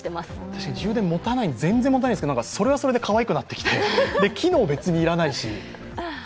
確かに充電が全然もたないんですけどそれはそれでかわいくなってきて機能別に要らないし。